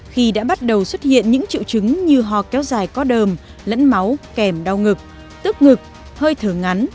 khi đã bắt đầu xuất hiện những triệu chứng như ho kéo dài có đờm lẫn máu kèm đau ngực tức ngực hơi thở ngắn